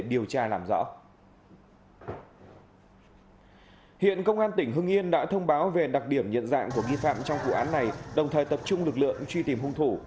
hiện công an tỉnh hưng yên đã thông báo về đặc điểm nhận dạng của nghi phạm trong vụ án này đồng thời tập trung lực lượng truy tìm hung thủ